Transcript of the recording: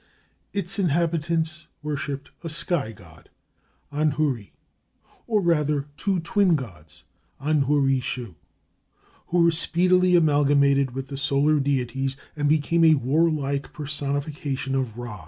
Its inhabitants worshipped a sky god, Anhuri, or rather two twin gods, Anhuri shu, who were speedily amalgamated with the solar deities and became a warlike personification of Ra.